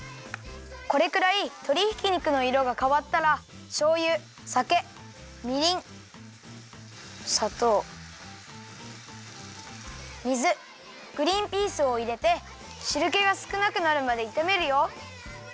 これくらいとりひき肉のいろがかわったらしょうゆさけみりんさとう水グリンピースをいれてしるけがすくなくなるまでいためるよ。